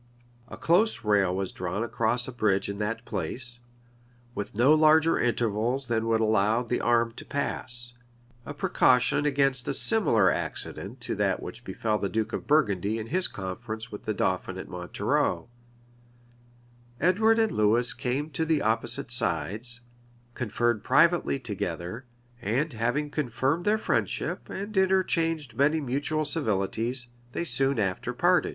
A close rail was drawn across a bridge in that place, with no larger intervals than would allow the arm to pass; a precaution against a similar accident to that which befell the duke of Burgundy in his conference with the dauphin at Montereau. Edward and Lewis came to the opposite sides; conferred privately together; and having confirmed their friendship, and interchanged many mutual civilities, they soon after parted.[] * Comines, liv. iv. chap. 5. Hall, fol. 227. Comines, liv. iv. chap.